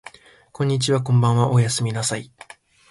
こんにちはこんばんはおやすみなさい